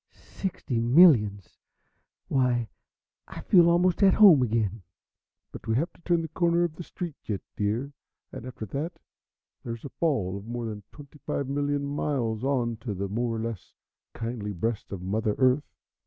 "Sixty millions! Why I feel almost at home again." "But we have to turn the corner of the street yet, dear, and after that there's a fall of more than twenty five million miles on to the more or less kindly breast of Mother Earth."